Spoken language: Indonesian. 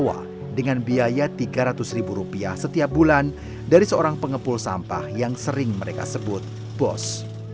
membawa dengan biaya tiga ratus ribu rupiah setiap bulan dari seorang pengepul sampah yang sering mereka sebut bos